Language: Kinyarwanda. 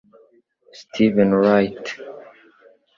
steven wright